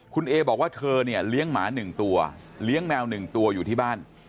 คุณเอบอกว่าเธอเนี่ยเลี้ยงหมา๑ตัวเลี้ยงแมว๑ตัวอยู่ที่บ้าน